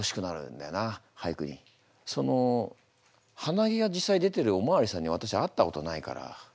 そのはなげが実際出てるお巡りさんにわたしは会ったことないから。